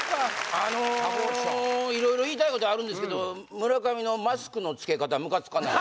あの色々言いたいことあるんですけど村上のマスクのつけ方ムカつかない？